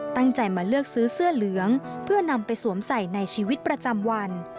ตั้งใจมาเลือกซื้อเสื้อเหลืองเพื่อนำไปสวมใส่ในชีวิตประจำวัน